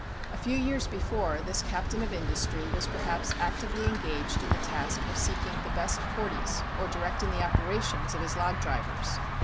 A few years before, this captain of industry was perhaps actively engaged in the task of seeking the best "forties" or directing the operations of his log drivers.